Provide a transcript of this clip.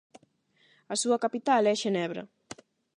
A súa capital é Xenebra.